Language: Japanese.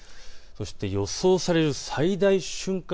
そして予想される最大瞬間